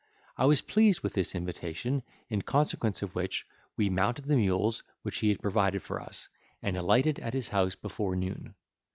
I was pleased with this invitation, in consequence of which we mounted the mules which he had provided for us, and alighted at his house before noon.